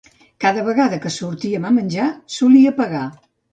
Cada vegada que sortíem a menjar, solia pagar.